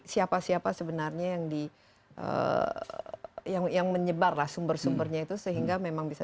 siapa siapa sebenarnya yang di yang menyebarlah sumber sumbernya itu sehingga memang bisa